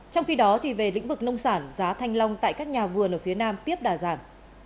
trong khi đó về lĩnh vực nông sản giá thanh long tại các nhà vườn ở phía nam tiếp đà giảm